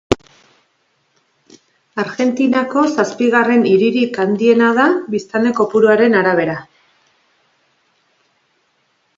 Argentinako zazpigarren hiririk handiena da biztanle kopuruaren arabera.